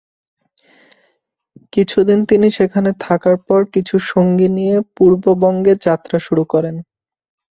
কিছুদিন তিনি সেখানে থাকার পর কিছু সঙ্গী নিয়ে পূর্ব বঙ্গে যাত্রা শুরু করেন।